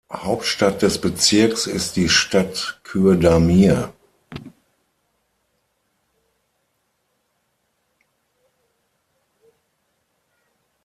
Hauptstadt des Bezirks ist die Stadt Kürdəmir.